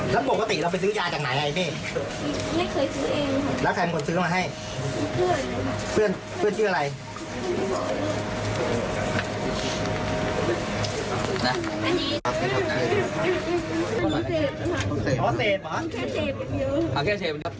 แล้วปกติเราไปซื้อยาจากไหนไอ้พี่ไม่เคยซื้อเองแล้วใครมันควรซื้อมาให้